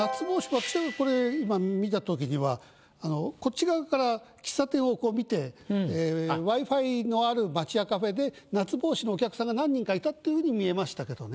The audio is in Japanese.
私がこれ今見た時にはＷｉ−Ｆｉのある町屋カフェで夏帽子のお客さんが何人かいたっていうふうに見えましたけどね。